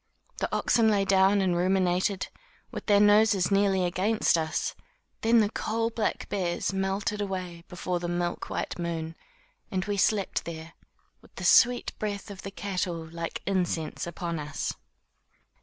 The oxen lay down and ruminated, with their noses nearly against us. Then the coal black bears melted away before the milk white moon, and we slept there, with the sweet breath of the cattle, like incense, upon us.